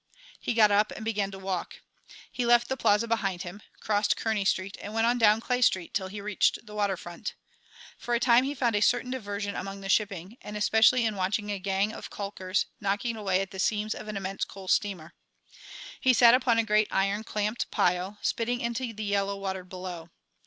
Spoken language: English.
He got up and began to walk. He left the Plaza behind him, crossed Kearney Street and went on down Clay Street till he reached the water front. For a time he found a certain diversion among the shipping and especially in watching a gang of caulkers knocking away at the seams of an immense coal steamer. He sat upon a great iron clamped pile, spitting into the yellow water below.